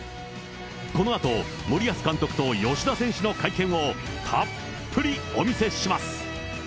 このあと、森保監督と吉田選手の会見を、たっぷりお見せします。